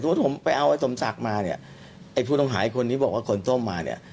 ถูกว่าผมไปเอาพูดสมศักดิ์มาผู้ต้องหาไอ้คนนี้บอกว่ากลนส้มมา